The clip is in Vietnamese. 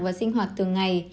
và sinh hoạt thường ngày